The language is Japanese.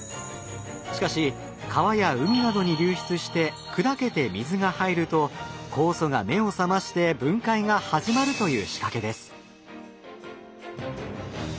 しかし川や海などに流出して砕けて水が入ると酵素が目を覚まして分解が始まるという仕掛けです。